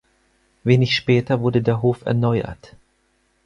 Wenig später wurde der Hof erneuert.